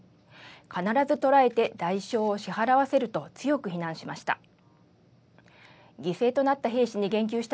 必ず捕らえて代償を支払わせると強く非難しました。